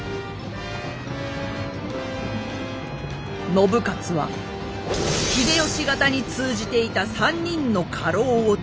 信雄は秀吉方に通じていた３人の家老を誅殺。